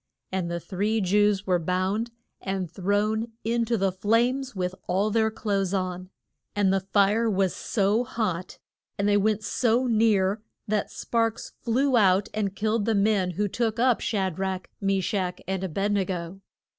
And the three Jews were bound and thrown in to the flames with all their clothes on. And the fire was so hot and they went so near that sparks flew out and killed the men who took up Sha drach, Me shach and A bed ne go.